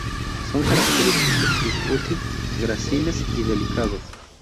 Son característicos sus "putti", gráciles y delicados.